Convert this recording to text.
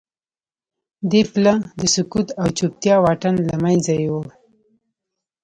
دې پله د سکوت او چوپتیا واټن له منځه یووړ